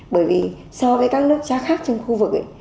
bởi vì so với các nước khác trong khu vực ấy